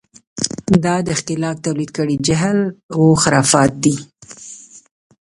دا د ښکېلاک تولید کړی جهل و خرافات دي.